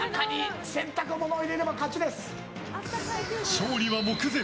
勝利は目前！